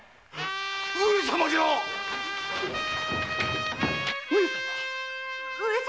上様じゃ上様